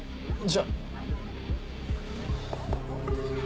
じゃあ。